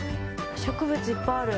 植物いっぱいある。